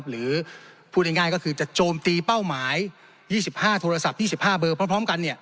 หรือพูดง่ายก็คือจะโจมตีเป้าหมาย๒๕โทรศัพท์๒๕เบอร์พร้อมกัน